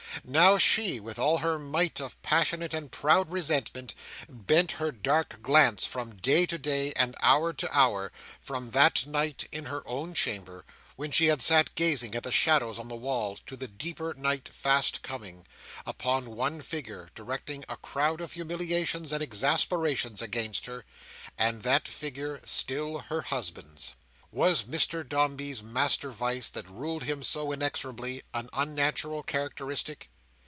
Now, she, with all her might of passionate and proud resentment, bent her dark glance from day to day, and hour to hour—from that night in her own chamber, when she had sat gazing at the shadows on the wall, to the deeper night fast coming—upon one figure directing a crowd of humiliations and exasperations against her; and that figure, still her husband's. Was Mr Dombey's master vice, that ruled him so inexorably, an unnatural characteristic?